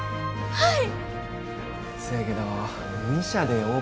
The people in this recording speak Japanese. はい。